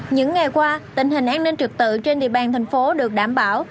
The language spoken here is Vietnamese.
những ngày qua tình hình an ninh trực tự trên địa bàn thành phố được đảm bảo